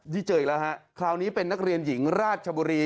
นี่เจออีกแล้วฮะคราวนี้เป็นนักเรียนหญิงราชบุรี